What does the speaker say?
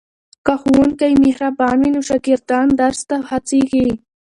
که ښوونکی مهربان وي نو شاګردان درس ته هڅېږي.